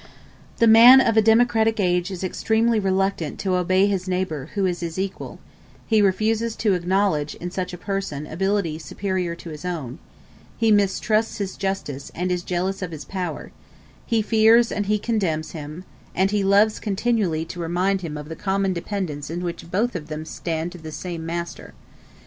The man of a democratic age is extremely reluctant to obey his neighbor who is his equal; he refuses to acknowledge in such a person ability superior to his own; he mistrusts his justice, and is jealous of his power; he fears and he contemns him; and he loves continually to remind him of the common dependence in which both of them stand to the same master.